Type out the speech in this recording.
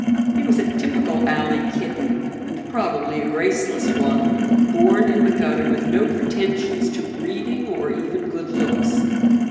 He was a typical alley kitten, and probably a graceless one, born in the gutter with no pretensions to breeding or even good looks.